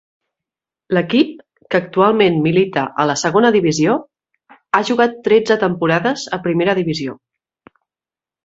L'equip, que actualment milita a la Segona divisió, ha jugat tretze temporades a Primera divisió.